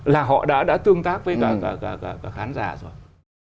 là họ đã đã tương tác với cả cả cả cả khán giả rồi